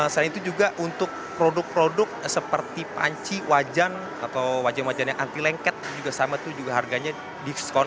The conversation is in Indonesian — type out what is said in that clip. selain itu juga untuk produk produk seperti panci wajan atau wajan wajan yang anti lengket juga sama itu juga harganya diskon